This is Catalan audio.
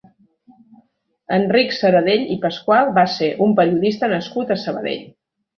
Enric Sarradell i Pascual va ser un periodista nascut a Sabadell.